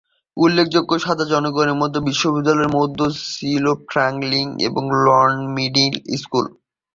উল্লেখযোগ্য সাদা জনসংখ্যার মধ্য বিদ্যালয়গুলির মধ্যে ছিল ফ্রাঙ্কলিন, এবং লং মিডিল স্কুল।